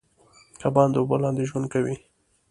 کبان د اوبو لاندې ژوند کوي